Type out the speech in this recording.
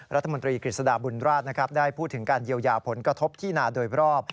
รัฐมนตรีกฤษฎาบุญราชนะครับได้พูดถึงการเยียวยาผลกระทบที่นาโดยรอบ